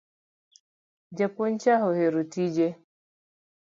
Japuonj cha ohero tije